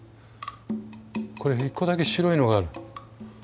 これ１個だけ白いのがある。